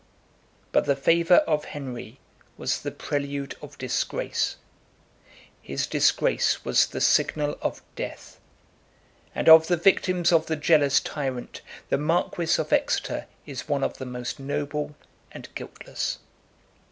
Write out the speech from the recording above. But the favor of Henry was the prelude of disgrace; his disgrace was the signal of death; and of the victims of the jealous tyrant, the marquis of Exeter is one of the most noble and guiltless.